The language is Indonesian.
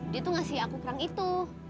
dia tuh ngasih aku kerang itu